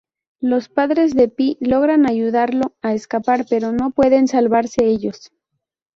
Los padres de Pi logran ayudarlo a escapar, pero no pueden salvarse ellos.